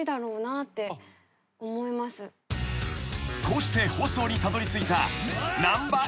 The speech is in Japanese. ［こうして放送にたどりついた『ナンバＭＧ５』］